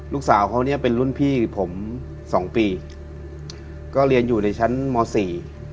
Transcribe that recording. ลูกสาวเขาเนี้ยเป็นรุ่นพี่ผมสองปีก็เรียนอยู่ในชั้นมสี่